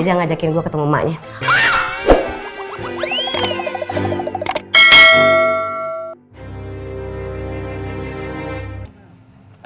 jangan ngajakin gue ketemu emaknya